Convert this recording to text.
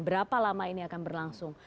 berapa lama ini akan berlangsung